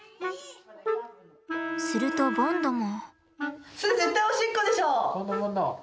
するとボンドも。